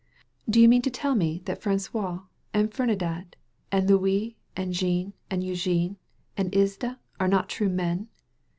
Do you mean to tell me that Francis and Fer dinand and Louis and Jean and Eugene and Iside are not true men?